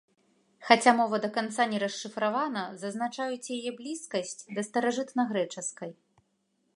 Хаця мова да канца не расшыфравана, зазначаюць яе блізкасць да старажытнагрэчаскай.